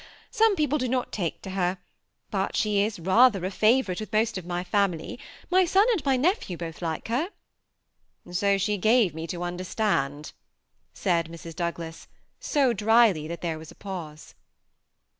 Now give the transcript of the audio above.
some people do not take to her ; but she is rather a favorite with most of my family : my son and my nephew both like her." ^' So she gave me to understand," said Mrs. Douglas, so dryly that there was a pause.